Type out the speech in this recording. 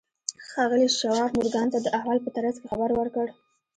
ښاغلي شواب مورګان ته د احوال په ترڅ کې خبر ورکړ